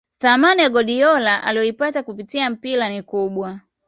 Thamani ya Guardiola aliyoipata kupitia mpira ni kubwa